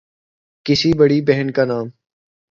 کی بڑی بہن کا نام